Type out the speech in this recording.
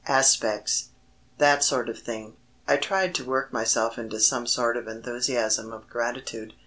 'Aspects.' That sort of thing." I tried to work myself into some sort of enthusiasm of gratitude.